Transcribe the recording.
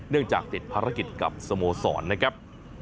จากติดภารกิจกับสโมสรนะครับ